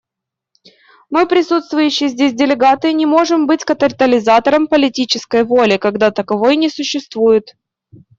Мы, присутствующие здесь делегаты, не можем быть катализатором политической воли, когда таковой не существует.